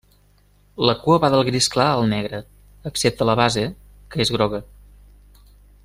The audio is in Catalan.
La cua va del gris clar al negre, excepte la base, que és groga.